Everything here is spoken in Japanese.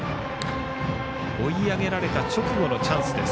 追い上げられた直後のチャンスです。